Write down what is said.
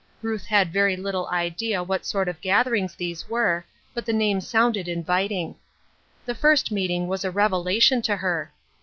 Ruth had very little idea what sort of gatherings these were, but the name sounded inviting. The first meet ing was a revelation to her.